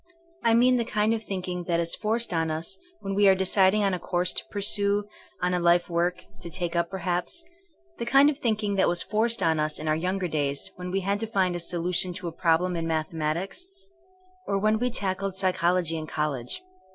I mean the kind of think ing that is forced on us when we are decid ing on a course to pursue, on a life work to 4 THINEINO AS A SCIENCE take up perhaps ; the kind of thinking that was forced on ns in our younger days when we had to find a solution to a problem in mathematics, or when we tackled psychology in college.